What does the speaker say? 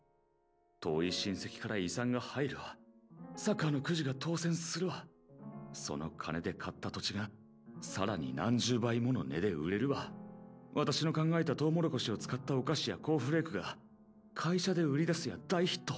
遠い親戚から遺産が入るわサッカーのくじが当選するわその金で買った土地がさらに何十倍もの値で売れるわわたしの考えたトウモロコシを使ったおかしやコーンフレークが会社で売り出すや大ヒット。